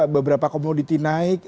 beberapa komoditi naik